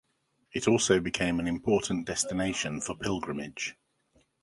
It also became an important destination for pilgrimage.